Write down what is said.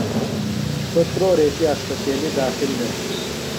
سوۡ تُرو ریتیۡ اسپتیلیۡ داخل دےۡ۔